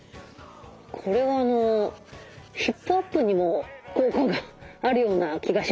これはヒップアップにも効果があるような気がします。